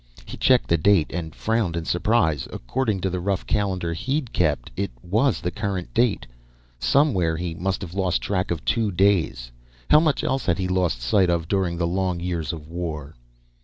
He checked the date, and frowned in surprise. According to the rough calendar he'd kept, it was the current date. Somewhere he must have lost track of two days. How much else had he lost sight of during the long years of war?